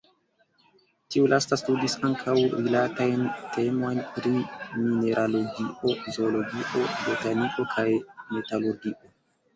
Tiu lasta studis ankaŭ rilatajn temojn pri mineralogio, zoologio, botaniko, kaj metalurgio.